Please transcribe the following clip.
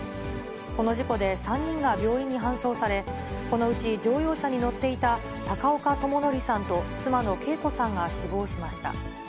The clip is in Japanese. この事故で３人が病院に搬送され、このうち乗用車に乗っていた、高岡智紀さんと、妻の恵子さんが死亡しました。